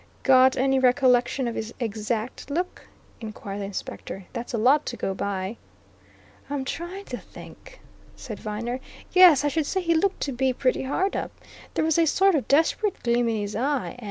"Got any recollection of his exact look?" inquired the Inspector. "That's a lot to go by." "I'm trying to think," said Viner. "Yes I should say he looked to be pretty hard up. There was a sort of desperate gleam in his eye.